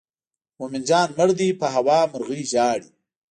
مومن جان مړ دی په هوا مرغۍ ژاړي.